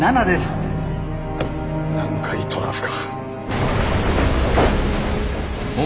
南海トラフか。